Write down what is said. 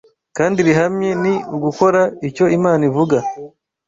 kandi rihamye ni ugukora icyo Imana ivuga